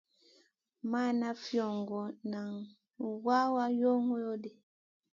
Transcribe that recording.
Mana fiogo, nan wawa yow gu ŋolo.